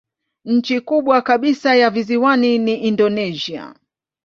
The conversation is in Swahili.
Nchi kubwa kabisa ya visiwani ni Indonesia.